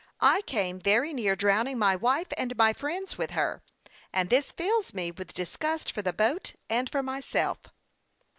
I came very near drowning my wife and my friends with her ; and this fills me with disgust for the boat and for myself."